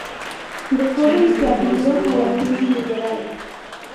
De joven se afilió a la Unión Liberal.